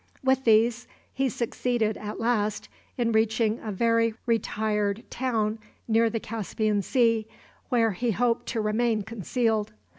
With these he succeeded, at last, in reaching a very retired town near the Caspian Sea, where he hoped to remain concealed.